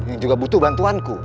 yang juga butuh bantuanku